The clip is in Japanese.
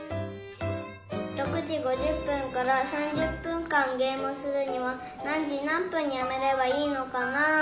６時５０分から３０分間ゲームをするには何時何分にやめればいいのかな？